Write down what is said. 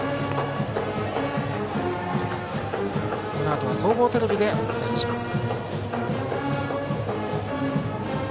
このあとは総合テレビでお伝えします。